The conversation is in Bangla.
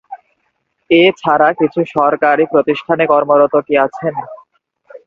এ ছাড়া কিছু সরকারি প্রতিষ্ঠানে কর্মরত কি আছেন?